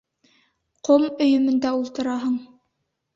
Ҡом өйөмөндә ултыраһың.